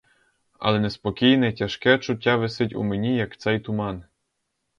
Але неспокійне, тяжке чуття висить у мені, як цей туман.